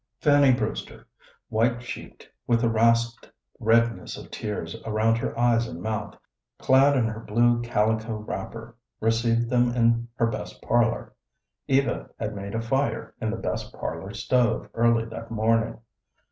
Fanny Brewster, white cheeked, with the rasped redness of tears around her eyes and mouth, clad in her blue calico wrapper, received them in her best parlor. Eva had made a fire in the best parlor stove early that morning.